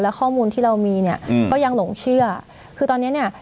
และข้อมูลที่เรามีเนี้ยอืมก็ยังหลงเชื่อคือตอนเนี้ยเนี้ย